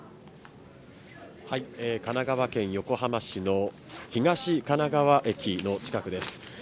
神奈川県横浜市の東神奈川駅の近くです。